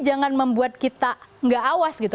jangan membuat kita nggak awas gitu